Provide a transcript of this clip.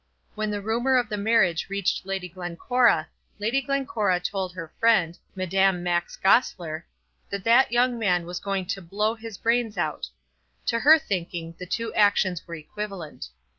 When the rumour of the marriage reached Lady Glencora, Lady Glencora told her friend, Madame Max Goesler, that that young man was going to blow his brains out. To her thinking, the two actions were equivalent.